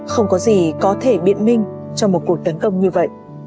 không có gì có thể biện minh trong một cuộc tấn công như vậy